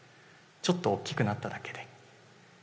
ちょっと大きくなっただけで。